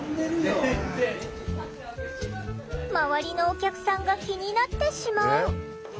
周りのお客さんが気になってしまう。